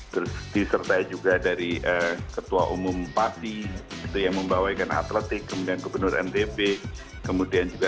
kembali ke kemenpora